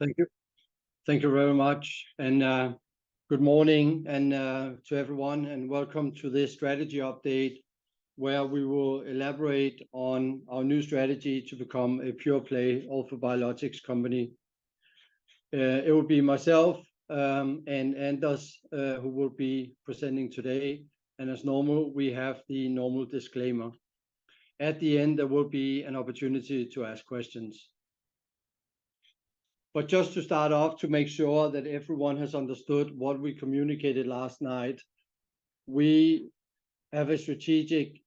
Thank you. Thank you very much, and good morning and to everyone, and welcome to this strategy update, where we will elaborate on our new strategy to become a pure-play orthobiologics company. It will be myself, and us, who will be presenting today, and as normal, we have the normal disclaimer. At the end, there will be an opportunity to ask questions. But just to start off, to make sure that everyone has understood what we communicated last night, we have a strategic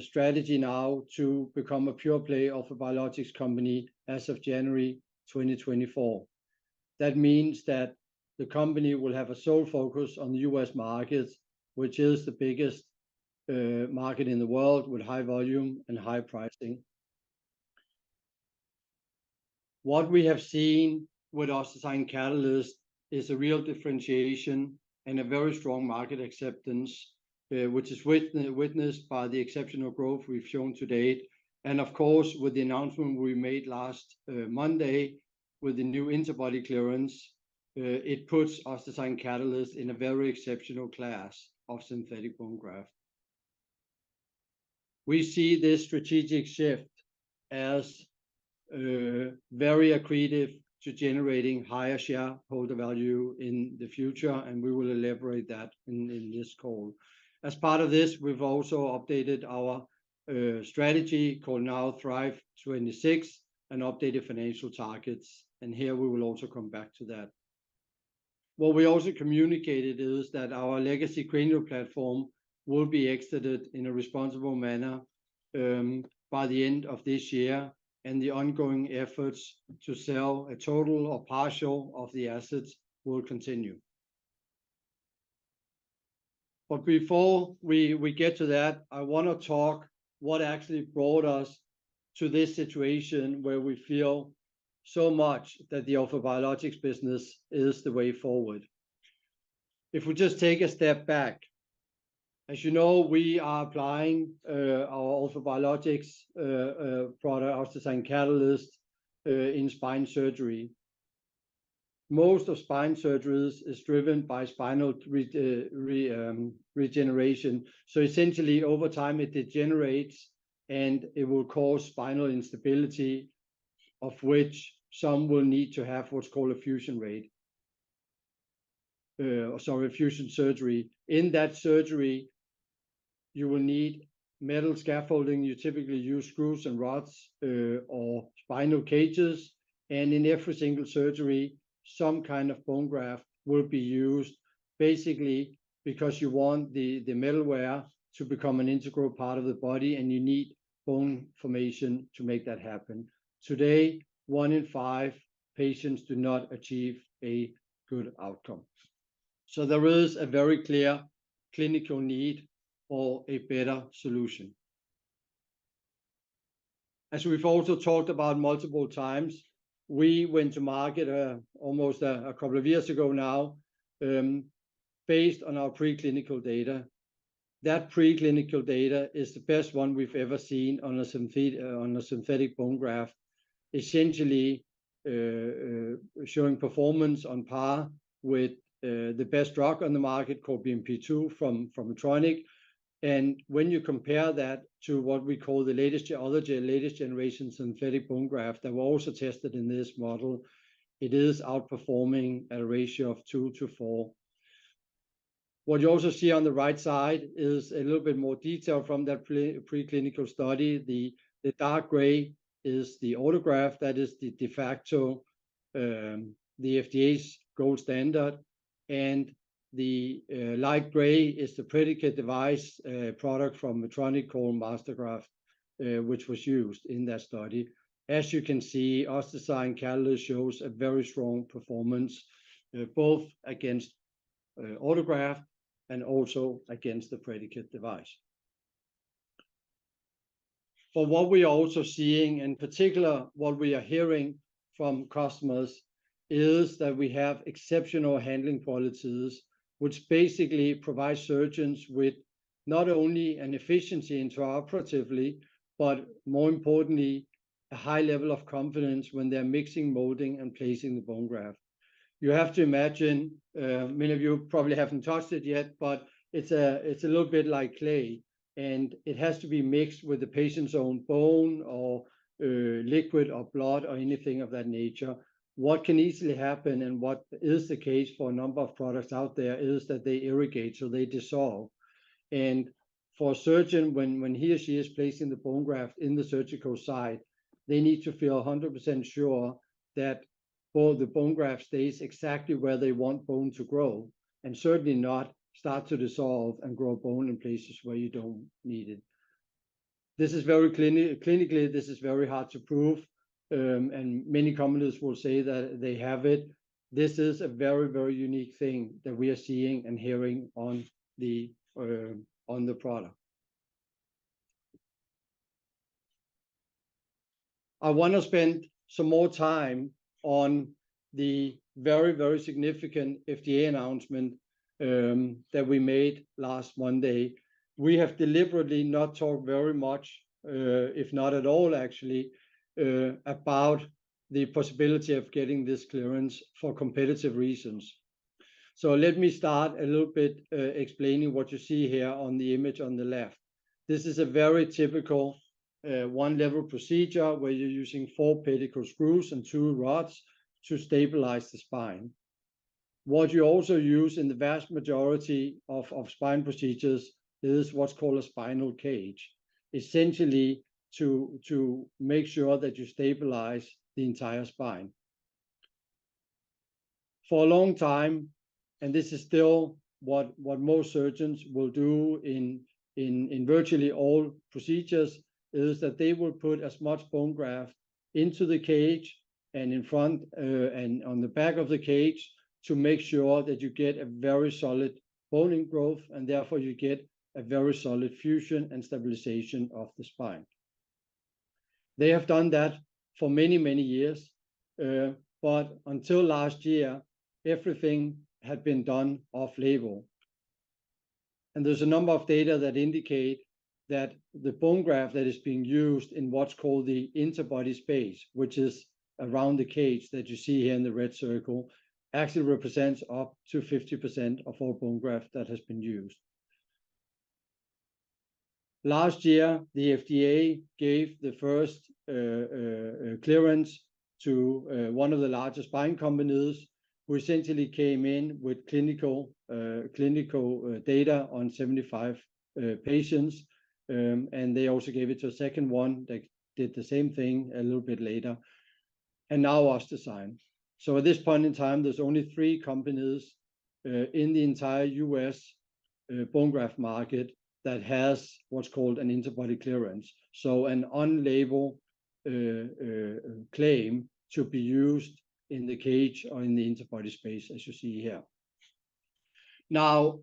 strategy now to become a pure-play orthobiologics company as of January 2024. That means that the company will have a sole focus on the U.S. markets, which is the biggest market in the world, with high volume and high pricing. What we have seen with OssDsign Catalyst is a real differentiation and a very strong market acceptance, which is witnessed by the exceptional growth we've shown to date. Of course, with the announcement we made last Monday, with the new interbody clearance, it puts OssDsign Catalyst in a very exceptional class of synthetic bone graft. We see this strategic shift as very accretive to generating higher shareholder value in the future, and we will elaborate that in this call. As part of this, we've also updated our strategy, called now Thrive 26, and updated financial targets, and here we will also come back to that. What we also communicated is that our legacy cranial platform will be exited in a responsible manner by the end of this year, and the ongoing efforts to sell a total or partial of the assets will continue. But before we get to that, I want to talk what actually brought us to this situation, where we feel so much that the orthobiologics business is the way forward. If we just take a step back, as you know, we are applying our orthobiologics product, OssDsign Catalyst, in spine surgery. Most of spine surgeries is driven by spinal degeneration. So essentially, over time, it degenerates, and it will cause spinal instability, of which some will need to have what's called a fusion rate, sorry, a fusion surgery. In that surgery, you will need metal scaffolding. You typically use screws and rods or spinal cages, and in every single surgery, some kind of bone graft will be used, basically because you want the metalware to become an integral part of the body, and you need bone formation to make that happen. Today, one in five patients do not achieve a good outcome, so there is a very clear clinical need for a better solution. As we've also talked about multiple times, we went to market almost a couple of years ago now, based on our preclinical data. That preclinical data is the best one we've ever seen on a synthetic bone graft, essentially, showing performance on par with the best drug on the market, called BMP-2, from Medtronic. When you compare that to what we call the latest, other latest generation synthetic bone graft that were also tested in this model, it is outperforming a ratio of 2-4. What you also see on the right side is a little bit more detail from that preclinical study. The dark gray is the autograft that is the de facto the FDA's gold standard, and the light gray is the predicate device product from Medtronic called MASTERGRAFT, which was used in that study. As you can see, OssDsign Catalyst shows a very strong performance both against autograft and also against the predicate device. For what we are also seeing, in particular, what we are hearing from customers, is that we have exceptional handling qualities, which basically provide surgeons with not only an efficiency intraoperatively, but more importantly, a high level of confidence when they're mixing, molding, and placing the bone graft. You have to imagine, many of you probably haven't touched it yet, but it's a, it's a little bit like clay, and it has to be mixed with the patient's own bone or, liquid or blood or anything of that nature. What can easily happen, and what is the case for a number of products out there, is that they irrigate, so they dissolve. For a surgeon, when he or she is placing the bone graft in the surgical site, they need to feel 100% sure that all the bone graft stays exactly where they want bone to grow and certainly not start to dissolve and grow bone in places where you don't need it. This is very clinically hard to prove, and many companies will say that they have it. This is a very, very unique thing that we are seeing and hearing on the product. I want to spend some more time on the very, very significant FDA announcement that we made last Monday. We have deliberately not talked very much, if not at all, actually, about the possibility of getting this clearance for competitive reasons. So let me start a little bit, explaining what you see here on the image on the left. This is a very typical 1-level procedure, where you're using 4 pedicle screws and 2 rods to stabilize the spine. What you also use in the vast majority of spine procedures is what's called a spinal cage, essentially to make sure that you stabilize the entire spine. For a long time, and this is still what most surgeons will do in virtually all procedures, is that they will put as much bone graft into the cage and in front, and on the back of the cage to make sure that you get a very solid bone ingrowth, and therefore you get a very solid fusion and stabilization of the spine. They have done that for many, many years. But until last year, everything had been done off-label. And there's a number of data that indicate that the bone graft that is being used in what's called the interbody space, which is around the cage that you see here in the red circle, actually represents up to 50% of all bone graft that has been used. Last year, the FDA gave the first clearance to one of the largest spine companies, who essentially came in with clinical data on 75 patients. And they also gave it to a second one that did the same thing a little bit later, and now OssDsign. So at this point in time, there's only three companies in the entire U.S. bone graft market that has what's called an interbody clearance. So an on-label claim to be used in the cage or in the interbody space, as you see here. Now,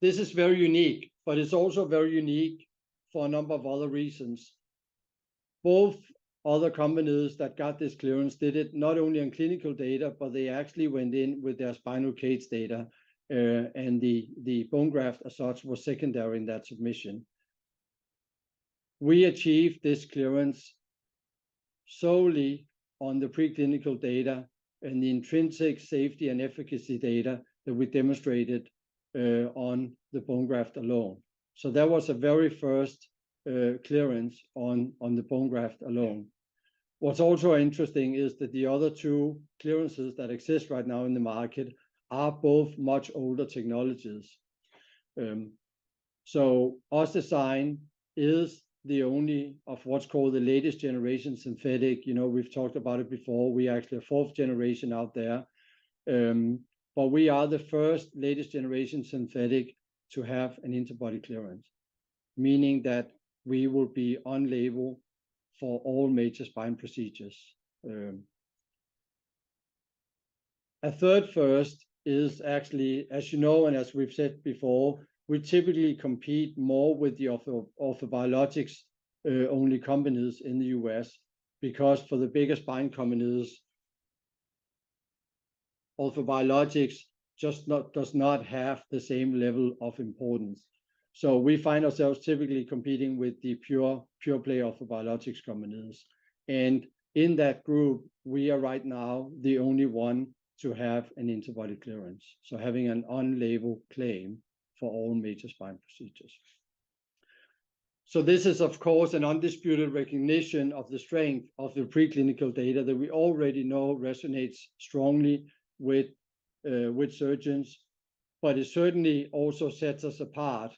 this is very unique, but it's also very unique for a number of other reasons. Both other companies that got this clearance did it not only on clinical data, but they actually went in with their spinal cage data, and the bone graft results were secondary in that submission. We achieved this clearance solely on the preclinical data and the intrinsic safety and efficacy data that we demonstrated on the bone graft alone. So that was the very first clearance on the bone graft alone. What's also interesting is that the other two clearances that exist right now in the market are both much older technologies. So OssDsign is the only of what's called the latest generation synthetic. You know, we've talked about it before. We're actually a fourth generation out there, but we are the first latest generation synthetic to have an interbody clearance, meaning that we will be on-label for all major spine procedures. A third first is actually, as you know, and as we've said before, we typically compete more with the orthobiologics-only companies in the U.S., because for the bigger spine companies, orthobiologics just does not have the same level of importance. So we find ourselves typically competing with the pure-play orthobiologics companies. And in that group, we are right now the only one to have an interbody clearance. So having an on-label claim for all major spine procedures. So this is, of course, an undisputed recognition of the strength of the preclinical data that we already know resonates strongly with surgeons, but it certainly also sets us apart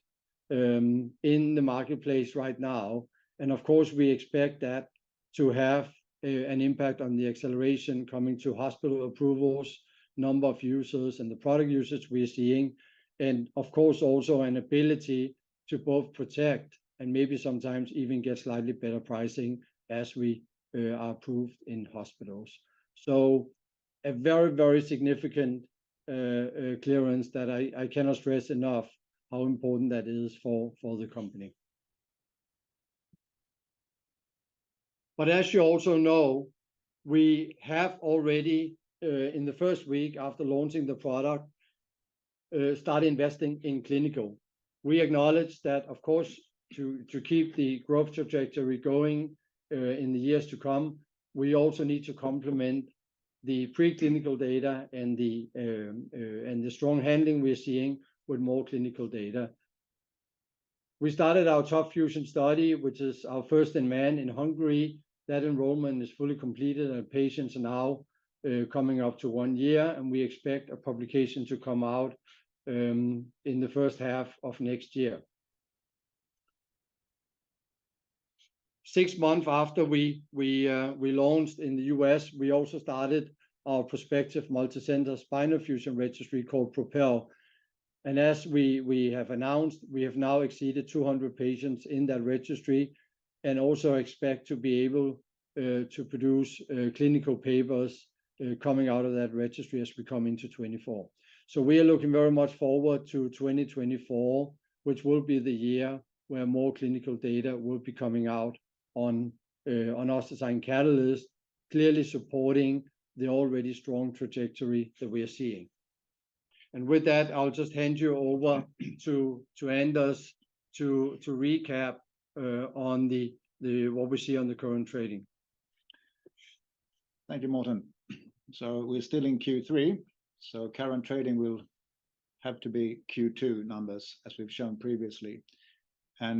in the marketplace right now. And of course, we expect that to have an impact on the acceleration coming to hospital approvals, number of users, and the product usage we are seeing, and of course, also an ability to both protect and maybe sometimes even get slightly better pricing as we are approved in hospitals. So a very, very significant clearance that I cannot stress enough how important that is for the company. But as you also know, we have already in the first week after launching the product started investing in clinical. We acknowledge that of course, to keep the growth trajectory going in the years to come, we also need to complement the preclinical data and the strong handling we're seeing with more clinical data. We started our TOP FUSION study, which is our first in man in Hungary. That enrollment is fully completed, and patients are now coming up to one year, and we expect a publication to come out in the first half of next year. Six months after we launched in the U.S., we also started our prospective multicenter spinal fusion registry called PROPEL. As we have announced, we have now exceeded 200 patients in that registry and also expect to be able to produce clinical papers coming out of that registry as we come into 2024. So we are looking very much forward to 2024, which will be the year where more clinical data will be coming out on OssDsign Catalyst, clearly supporting the already strong trajectory that we are seeing. And with that, I'll just hand you over to Anders to recap on what we see on the current trading. Thank you, Morten. So we're still in Q3, so current trading will have to be Q2 numbers, as we've shown previously. I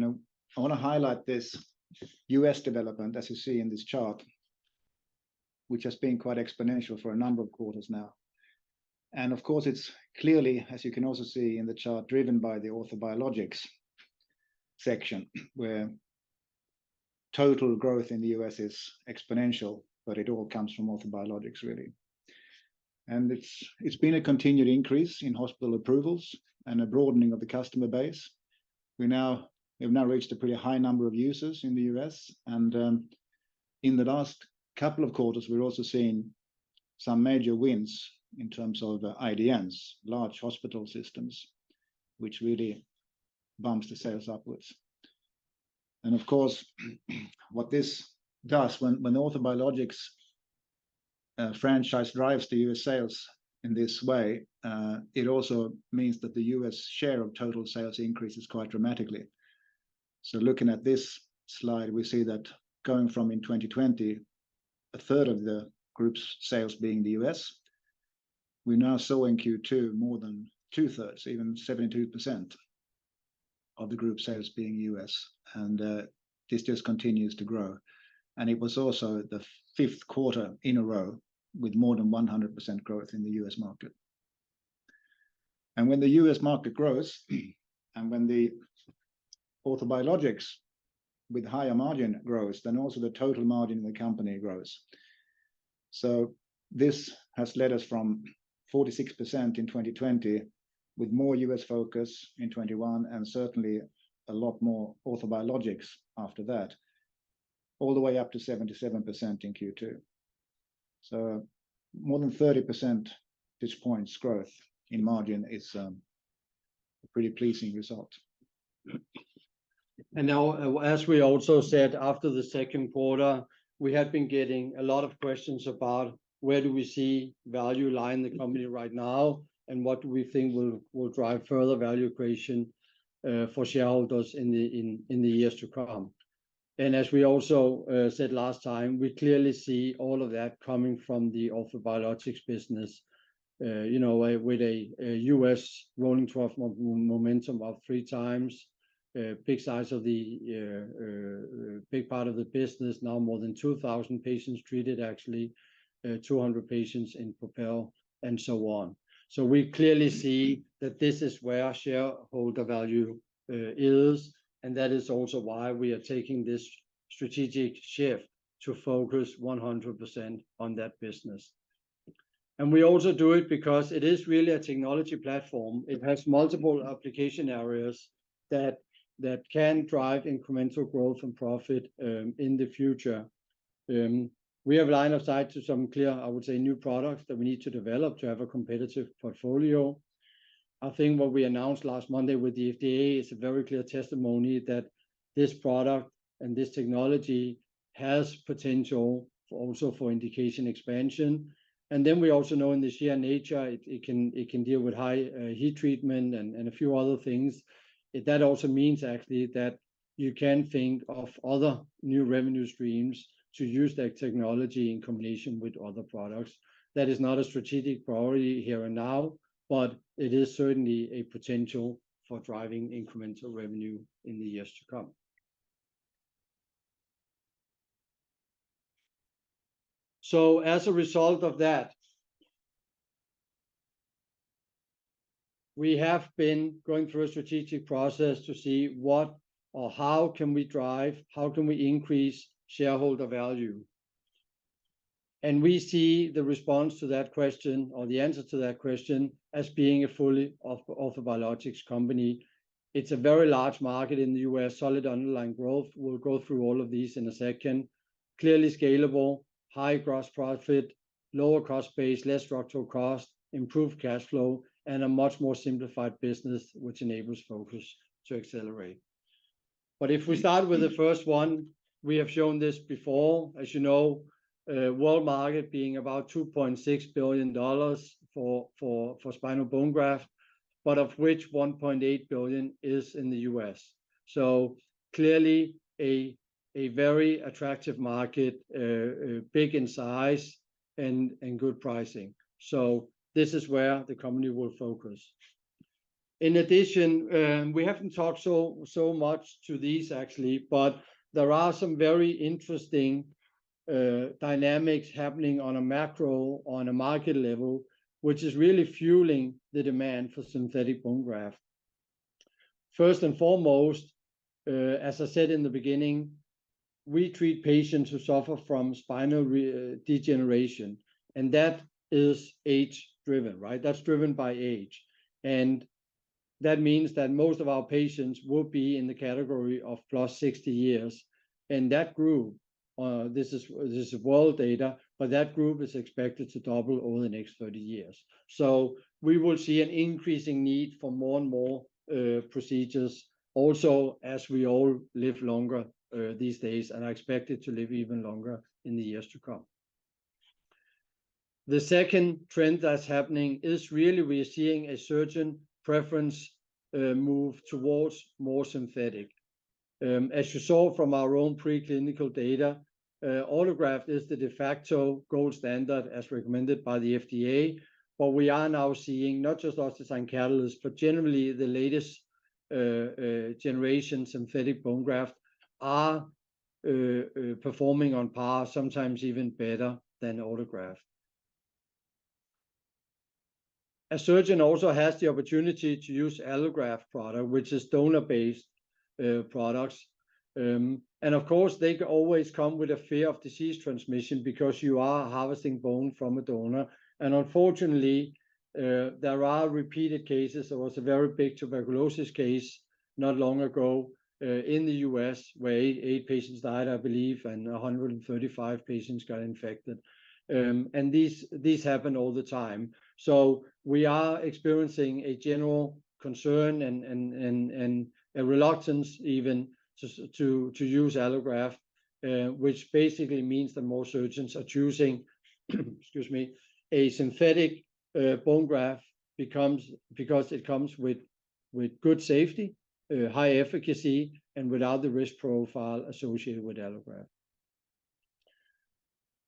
want to highlight this U.S. development, as you see in this chart, which has been quite exponential for a number of quarters now. Of course, it's clearly, as you can also see in the chart, driven by the Orthobiologics section, where total growth in the U.S. is exponential, but it all comes from Orthobiologics, really. It's been a continued increase in hospital approvals and a broadening of the customer base. We've now reached a pretty high number of users in the U.S., and, in the last couple of quarters, we've also seen some major wins in terms of the IDNs, large hospital systems, which really bumps the sales upwards. And of course, what this does when, when Orthobiologics Franchise drives the U.S. sales in this way, it also means that the U.S. share of total sales increases quite dramatically. So looking at this slide, we see that going from in 2020, a third of the group's sales being the U.S., we're now seeing Q2 more than two-thirds, even 72% of the group's sales being U.S. And, this just continues to grow. And it was also the fifth quarter in a row with more than 100% growth in the U.S. market. And when the U.S. market grows, and when the Orthobiologics with higher margin grows, then also the total margin in the company grows. So this has led us from 46% in 2020, with more U.S. focus in 2021, and certainly a lot more Orthobiologics after that, all the way up to 77% in Q2. So more than 30% this point's growth in margin is, a pretty pleasing result. Now, as we also said, after the second quarter, we have been getting a lot of questions about where we see value lie in the company right now, and what we think will drive further value creation for shareholders in the years to come. As we also said last time, we clearly see all of that coming from the orthobiologics business. You know, with a U.S. rolling 12-month momentum, about 3 times a big size of the big part of the business. Now, more than 2,000 patients treated, actually 200 patients in PROPEL and so on. So we clearly see that this is where shareholder value is, and that is also why we are taking this strategic shift to focus 100% on that business. We also do it because it is really a technology platform. It has multiple application areas that can drive incremental growth and profit in the future. We have line of sight to some clear, I would say, new products that we need to develop to have a competitive portfolio. I think what we announced last Monday with the FDA is a very clear testimony that this product and this technology has potential also for indication expansion. Then we also know in this year, nature, it can deal with high heat treatment and a few other things. That also means actually that you can think of other new revenue streams to use that technology in combination with other products. That is not a strategic priority here and now, but it is certainly a potential for driving incremental revenue in the years to come. So as a result of that, we have been going through a strategic process to see what or how can we drive, how can we increase shareholder value? And we see the response to that question or the answer to that question as being a fully orthobiologics company. It's a very large market in the U.S. Solid underlying growth. We'll go through all of these in a second. Clearly scalable, high gross profit, lower cost base, less structural cost, improved cash flow, and a much more simplified business, which enables focus to accelerate. But if we start with the first one, we have shown this before. As you know, world market being about $2.6 billion for spinal bone graft, but of which $1.8 billion is in the U.S. So clearly, a very attractive market, big in size and good pricing. So this is where the company will focus. In addition, we haven't talked so much to these actually, but there are some very interesting dynamics happening on a macro, on a market level, which is really fueling the demand for synthetic bone graft. First and foremost, as I said in the beginning, we treat patients who suffer from spinal degeneration, and that is age-driven, right? That's driven by age. And that means that most of our patients will be in the category of plus 60 years. And that group, this is world data, but that group is expected to double over the next 30 years. So we will see an increasing need for more and more, procedures also, as we all live longer, these days, and are expected to live even longer in the years to come. The second trend that's happening is really we are seeing a surgeon preference, move towards more synthetic. As you saw from our own preclinical data, autograft is the de facto gold standard as recommended by the FDA. But we are now seeing not just OssDsign Catalyst, but generally the latest, generation synthetic bone graft are, performing on par, sometimes even better than autograft. A surgeon also has the opportunity to use allograft product, which is donor-based products. And of course, they always come with a fear of disease transmission because you are harvesting bone from a donor. And unfortunately, there are repeated cases. There was a very big tuberculosis case not long ago, in the U.S., where 8 patients died, I believe, and 135 patients got infected. And these happen all the time. So we are experiencing a general concern and a reluctance even to use allograft, which basically means that more surgeons are choosing a synthetic bone graft because it comes with good safety, high efficacy, and without the risk profile associated with allograft.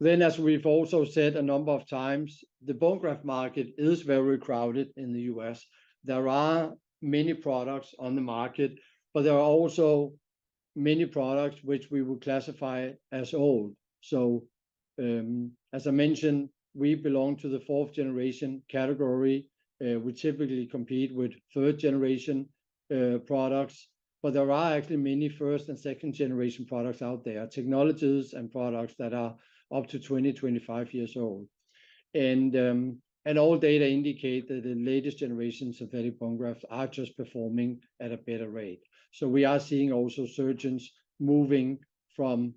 Then, as we've also said a number of times, the bone graft market is very crowded in the U.S. There are many products on the market, but there are also many products which we would classify as old. So, as I mentioned, we belong to the fourth generation category, we typically compete with third generation products, but there are actually many first and second generation products out there, technologies and products that are up to 20-25 years old. And all data indicate that the latest generation synthetic bone grafts are just performing at a better rate. So we are seeing also surgeons moving from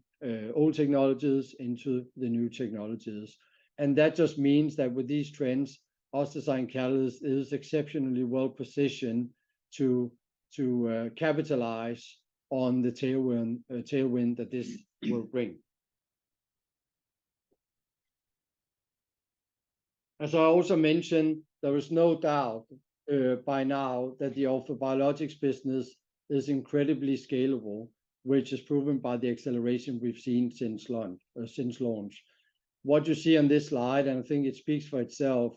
old technologies into the new technologies. And that just means that with these trends, OssDsign Catalyst is exceptionally well positioned to capitalize on the tailwind that this will bring. As I also mentioned, there is no doubt by now that the orthobiologics business is incredibly scalable, which is proven by the acceleration we've seen since launch, since launch. What you see on this slide, and I think it speaks for itself,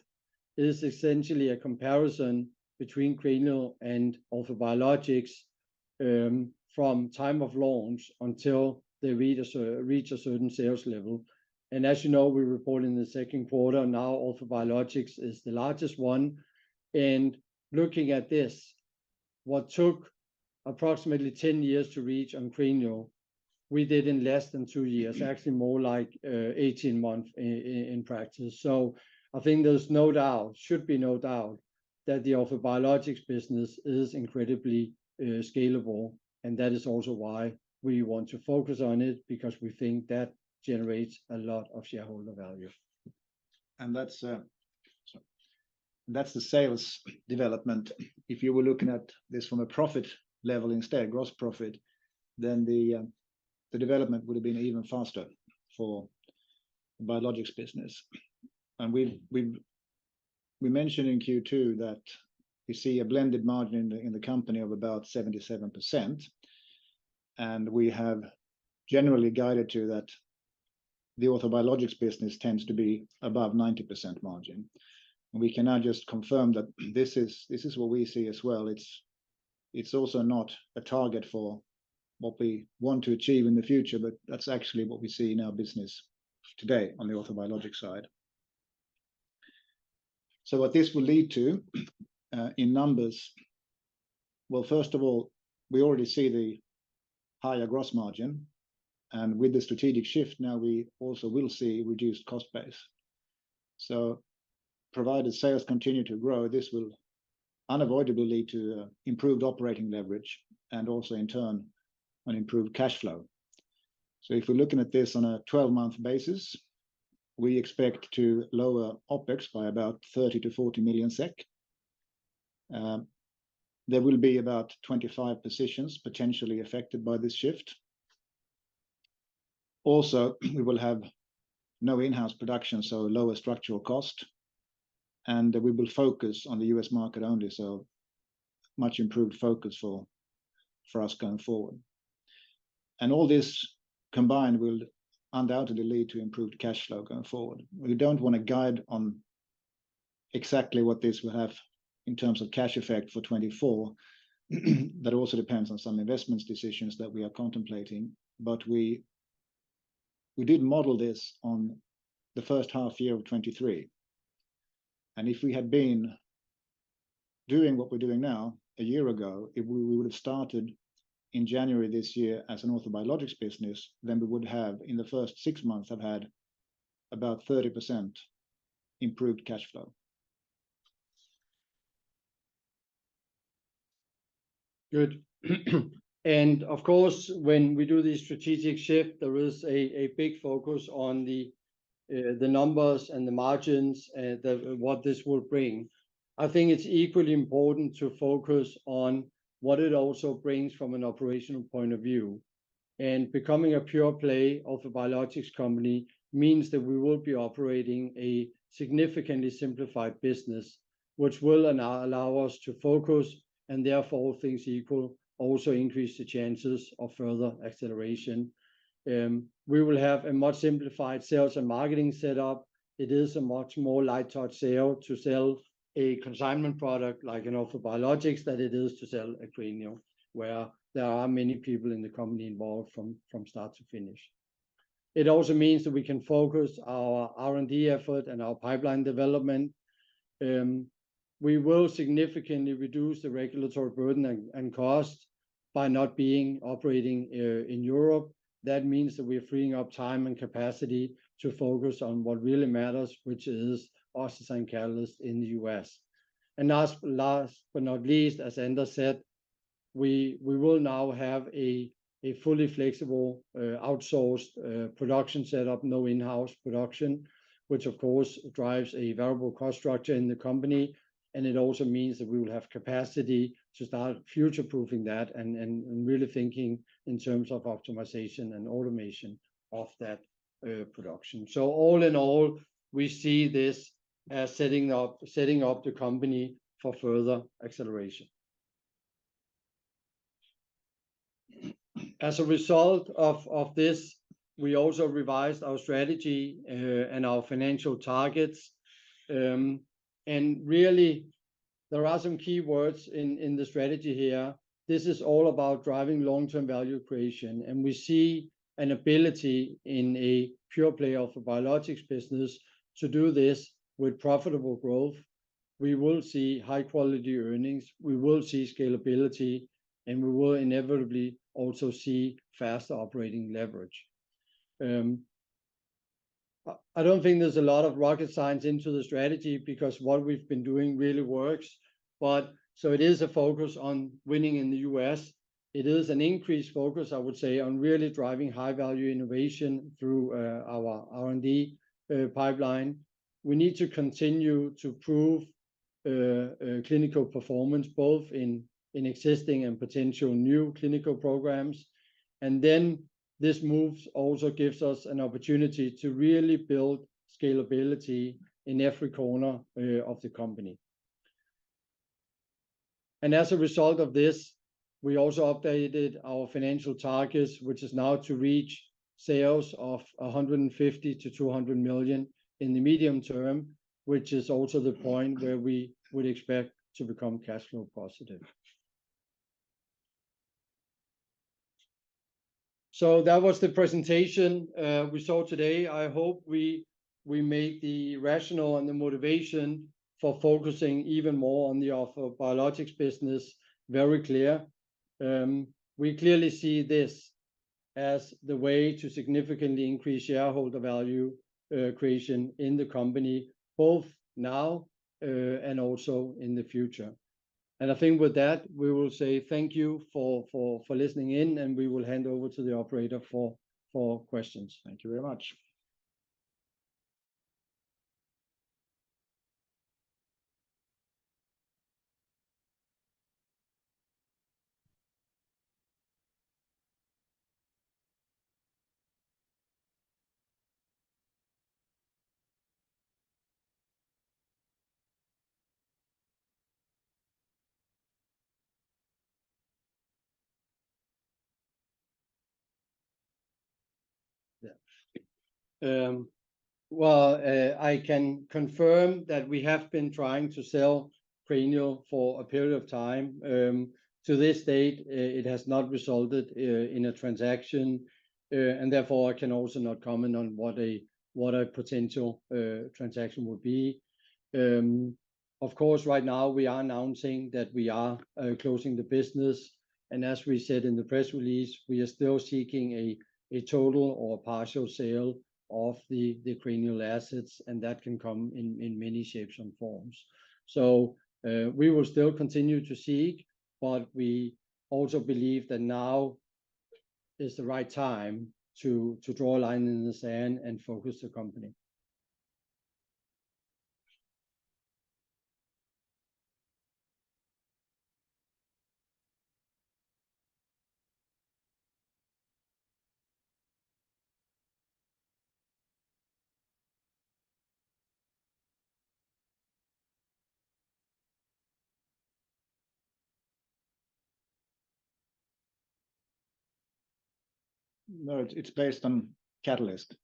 is essentially a comparison between cranial and orthobiologics, from time of launch until they reach a certain sales level. And as you know, we report in the second quarter, now orthobiologics is the largest one. And looking at this, what took approximately 10 years to reach on cranial, we did in less than two years, actually more like 18 months in practice. So I think there's no doubt, should be no doubt, that the orthobiologics business is incredibly scalable, and that is also why we want to focus on it, because we think that generates a lot of shareholder value. That's the sales development. If you were looking at this from a profit level instead, gross profit, then the development would have been even faster for biologics business. And we mentioned in Q2 that we see a blended margin in the company of about 77%, and we have generally guided to that the orthobiologics business tends to be above 90% margin. We can now just confirm that this is what we see as well. It's also not a target for what we want to achieve in the future, but that's actually what we see in our business today on the orthobiologics side. So what this will lead to in numbers, well, first of all, we already see the higher gross margin, and with the strategic shift now, we also will see reduced cost base. Provided sales continue to grow, this will unavoidably lead to improved operating leverage and also in turn, an improved cash flow. If we're looking at this on a 12-month basis, we expect to lower OpEx by about 30-40 million SEK. There will be about 25 positions potentially affected by this shift. Also, we will have no in-house production, so lower structural cost, and we will focus on the U.S. market only, so much improved focus for, for us going forward. All this combined will undoubtedly lead to improved cash flow going forward. We don't want to guide on exactly what this will have in terms of cash effect for 2024. That also depends on some investment decisions that we are contemplating. But we did model this on the first half year of 2023, and if we had been doing what we're doing now a year ago, if we would have started in January this year as an orthobiologics business, then we would have, in the first six months, have had about 30% improved cash flow. Good. And of course, when we do the strategic shift, there is a big focus on the numbers and the margins, what this will bring. I think it's equally important to focus on what it also brings from an operational point of view. And becoming a pure play orthobiologics company means that we will be operating a significantly simplified business, which will allow us to focus, and therefore, all things equal, also increase the chances of further acceleration. We will have a much simplified sales and marketing setup. It is a much more light touch sale to sell a consignment product like an orthobiologics than it is to sell a cranial, where there are many people in the company involved from start to finish. It also means that we can focus our R&D effort and our pipeline development. We will significantly reduce the regulatory burden and cost by not being operating in Europe. That means that we are freeing up time and capacity to focus on what really matters, which is OssDsign Catalyst in the US. And last but not least, as Anders said, we will now have a fully flexible outsourced production setup, no in-house production, which of course drives a variable cost structure in the company, and it also means that we will have capacity to start future-proofing that and really thinking in terms of optimization and automation of that production. So all in all, we see this as setting up the company for further acceleration. As a result of this, we also revised our strategy and our financial targets. And really, there are some key words in the strategy here. This is all about driving long-term value creation, and we see an ability in a pure play orthobiologics business to do this with profitable growth. We will see high-quality earnings, we will see scalability, and we will inevitably also see faster operating leverage. I don't think there's a lot of rocket science into the strategy because what we've been doing really works, but so it is a focus on winning in the U.S. It is an increased focus, I would say, on really driving high-value innovation through our R&D pipeline. We need to continue to prove clinical performance, both in existing and potential new clinical programs. And then this move also gives us an opportunity to really build scalability in every corner of the company. As a result of this, we also updated our financial targets, which is now to reach sales of 150-200 million in the medium term, which is also the point where we would expect to become cash flow positive. So that was the presentation we saw today. I hope we made the rational and the motivation for focusing even more on the orthobiologics business very clear. We clearly see this as the way to significantly increase shareholder value creation in the company, both now and also in the future. And I think with that, we will say thank you for listening in, and we will hand over to the operator for questions. Thank you very much. Well, I can confirm that we have been trying to sell cranial for a period of time. To this date, it has not resulted in a transaction, and therefore, I can also not comment on what a potential transaction would be. Of course, right now, we are announcing that we are closing the business, and as we said in the press release, we are still seeking a total or partial sale of the cranial assets, and that can come in many shapes and forms. So, we will still continue to seek, but we also believe that now is the right time to draw a line in the sand and focus the company. No, it's based on Catalyst.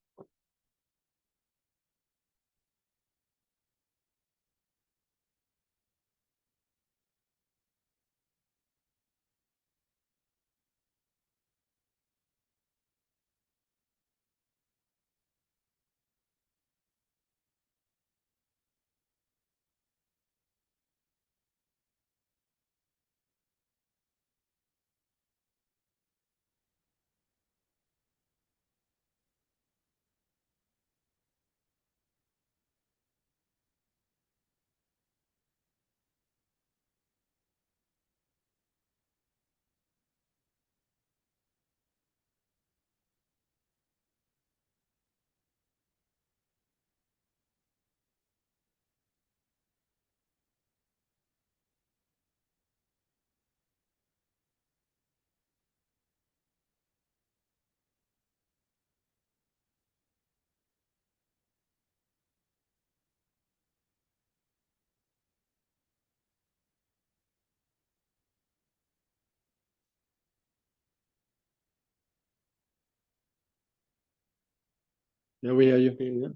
Yeah, are you hearing me? Yep.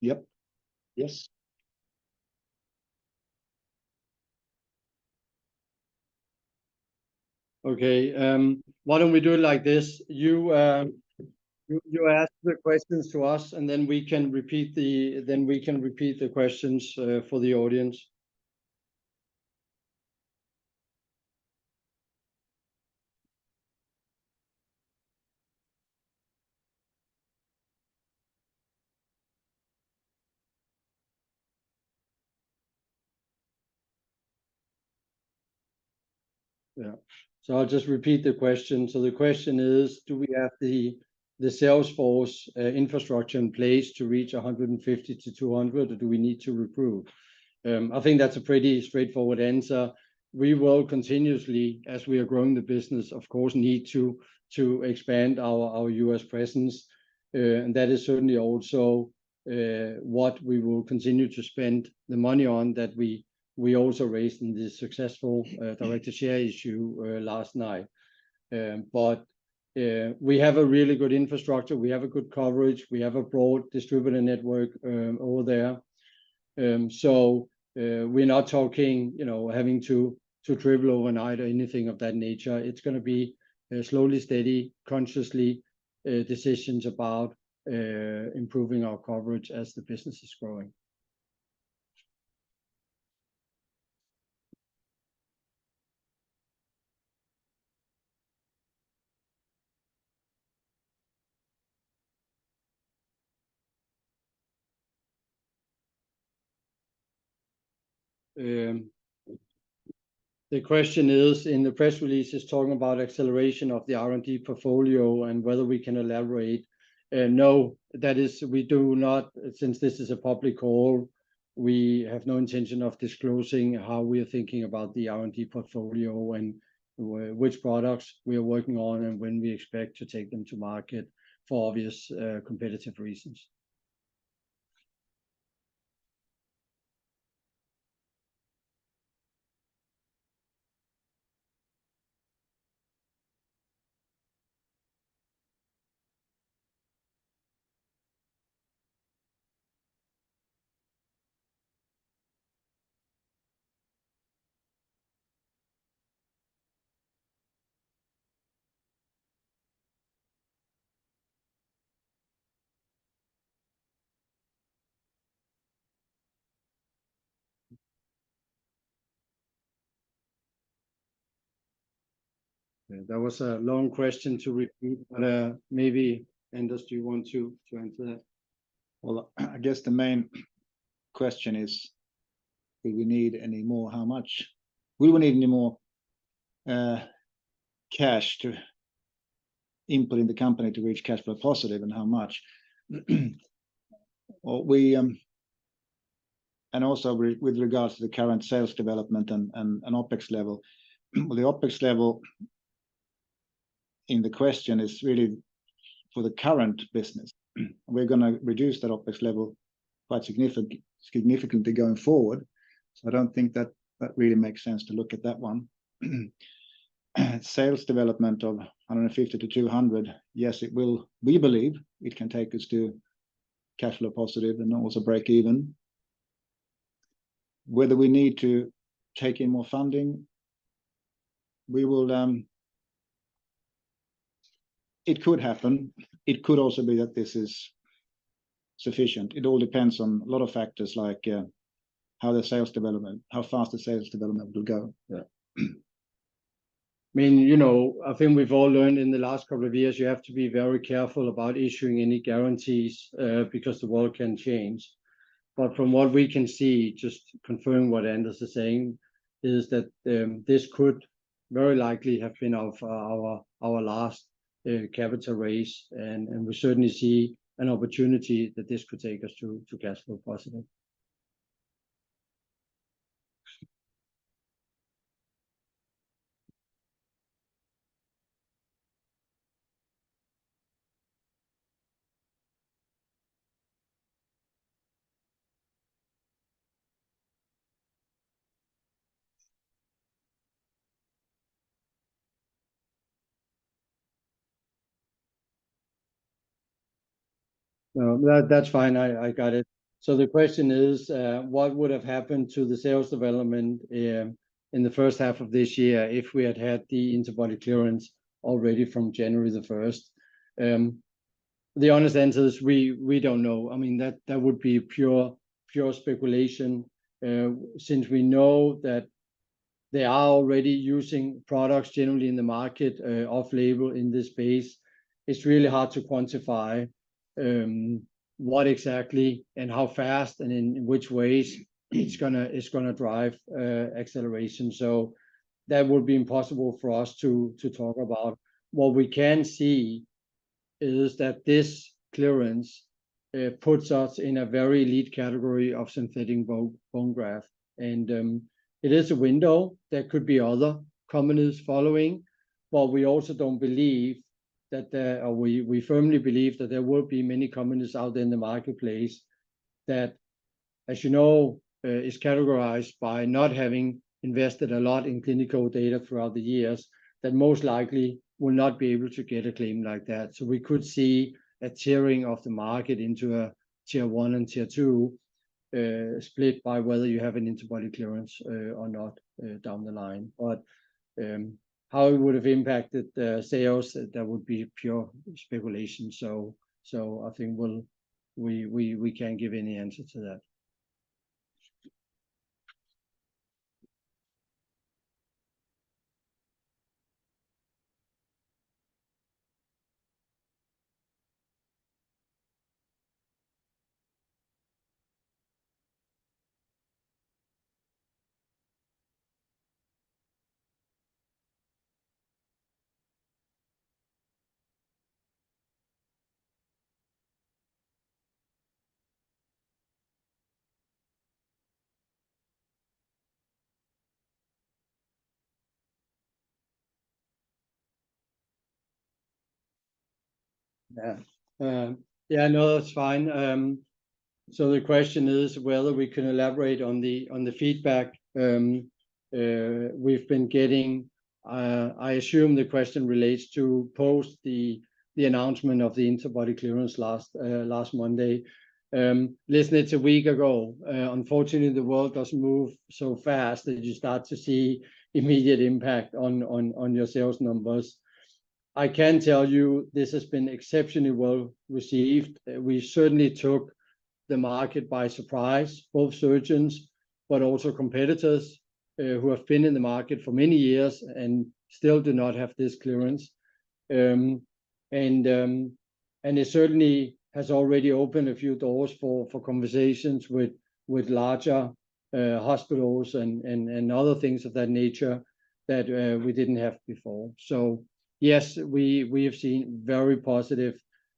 Yep. Yes. Okay, why don't we do it like this? You ask the questions to us, and then we can repeat the questions for the audience. Yeah, so I'll just repeat the question. So the question is, do we have the sales force infrastructure in place to reach 150-200, or do we need to reprove? I think that's a pretty straightforward answer. We will continuously, as we are growing the business, of course, need to expand our U.S. presence. And that is certainly also what we will continue to spend the money on that we also raised in this successful directed share issue last night. But we have a really good infrastructure, we have a good coverage, we have a broad distributor network over there. So we're not talking, you know, having to triple overnight or anything of that nature. It's gonna be slowly, steady, consciously decisions about improving our coverage as the business is growing. The question is, in the press release, is talking about acceleration of the R&D portfolio and whether we can elaborate. No, that is, we do not. Since this is a public call, we have no intention of disclosing how we are thinking about the R&D portfolio and which products we are working on, and when we expect to take them to market, for obvious competitive reasons. Yeah, that was a long question to repeat, but maybe Anders, do you want to answer that? Well, I guess the main question is, do we need any more? How much we will need any more cash to input in the company to reach cash flow positive, and how much? Well, we. And also with regards to the current sales development and OpEx level. Well, the OpEx level in the question is really for the current business. We're gonna reduce that OpEx level quite significantly going forward, so I don't think that that really makes sense to look at that one. Sales development of SEK150-SEK200, yes, it will, we believe it can take us to cash flow positive and also break even. Whether we need to take in more funding, we will. It could happen. It could also be that this is sufficient. It all depends on a lot of factors, like, how the sales development, how fast the sales development will go. Yeah. I mean, you know, I think we've all learned in the last couple of years, you have to be very careful about issuing any guarantees, because the world can change. But from what we can see, just confirming what Anders is saying, is that, this could very likely have been our our last, capital raise, and we certainly see an opportunity that this could take us to, to cash flow positive. No, that's fine. I got it. So the question is, what would have happened to the sales development, in the first half of this year if we had had the interbody clearance already from January the first? The honest answer is we don't know. I mean, that would be pure speculation. Since we know that they are already using products generally in the market off-label in this space, it's really hard to quantify what exactly and how fast and in which ways it's gonna drive acceleration. So that would be impossible for us to talk about. What we can see is that this clearance puts us in a very elite category of synthetic bone graft, and it is a window. There could be other companies following, but we also don't believe that. We firmly believe that there will be many companies out there in the marketplace that, as you know, is categorized by not having invested a lot in clinical data throughout the years, that most likely will not be able to get a claim like that. So we could see a tiering of the market into a tier one and tier two, split by whether you have an interbody clearance, or not, down the line. But, how it would have impacted the sales, that would be pure speculation. So I think we can't give any answer to that. Yeah, yeah, no, that's fine. So the question is whether we can elaborate on the feedback we've been getting. I assume the question relates to post the announcement of the interbody clearance last Monday. Listen, it's a week ago. Unfortunately, the world doesn't move so fast that you start to see immediate impact on your sales numbers. I can tell you this has been exceptionally well received. We certainly took the market by surprise, both surgeons but also competitors who have been in the market for many years and still do not have this clearance. It certainly has already opened a few doors for conversations with larger hospitals and other things of that nature that we didn't have before. So yes, we have seen very positive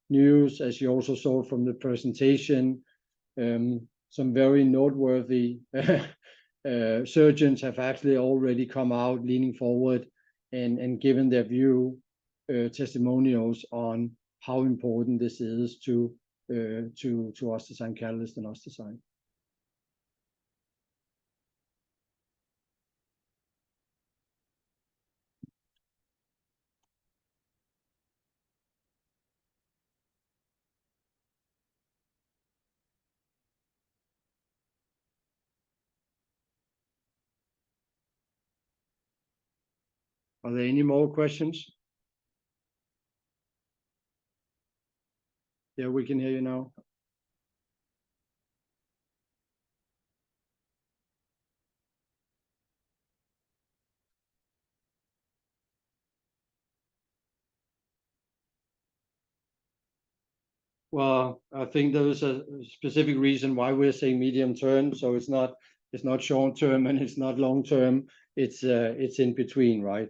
news, as you also saw from the presentation. Some very noteworthy surgeons have actually already come out leaning forward and given their view, testimonials on how important this is to OssDsign Catalyst and OssDsign. Are there any more questions? Yeah, we can hear you now. Well, I think there is a specific reason why we're saying medium term. So it's not short term, and it's not long term. It's in between, right?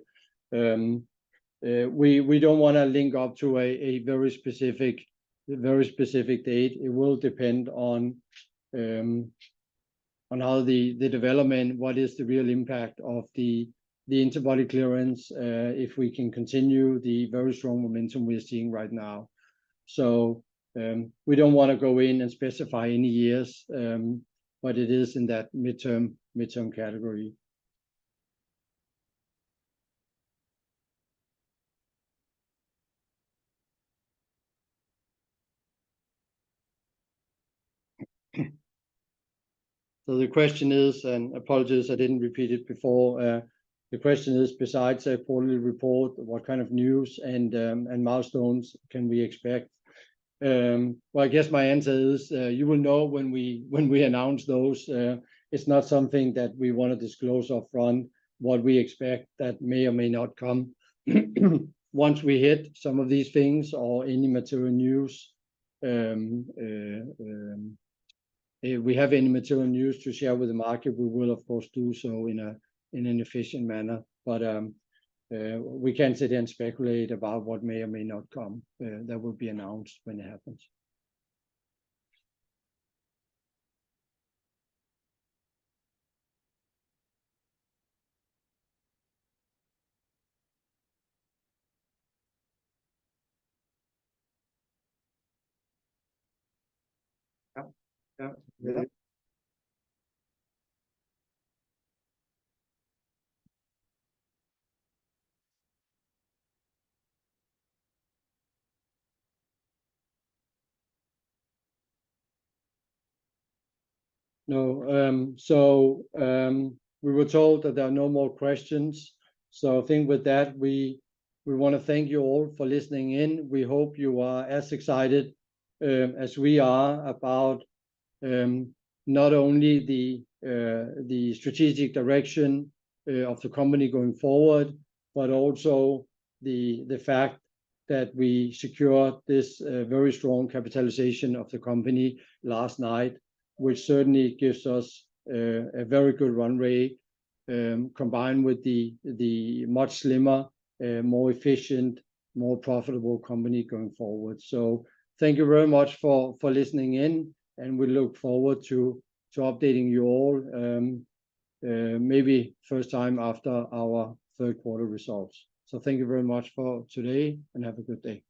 We don't want to link up to a very specific date. It will depend on how the development, what is the real impact of the interbody clearance, if we can continue the very strong momentum we are seeing right now. So, we don't want to go in and specify any years, but it is in that midterm category. So the question is, and apologies I didn't repeat it before, the question is, besides a quarterly report, what kind of news and milestones can we expect? Well, I guess my answer is, you will know when we announce those. It's not something that we want to disclose upfront what we expect that may or may not come. Once we hit some of these things or any material news, if we have any material news to share with the market, we will of course do so in an efficient manner. But we can't sit here and speculate about what may or may not come. That will be announced when it happens. So we were told that there are no more questions. So I think with that, we want to thank you all for listening in. We hope you are as excited as we are about not only the strategic direction of the company going forward, but also the fact that we secure this very strong capitalization of the company last night, which certainly gives us a very good run rate combined with the much slimmer more efficient, more profitable company going forward. So thank you very much for listening in, and we look forward to updating you all maybe first time after our third quarter results. So thank you very much for today and have a good day.